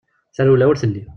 Tarewla ur telli.